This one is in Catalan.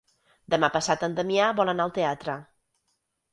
Demà passat en Damià vol anar al teatre.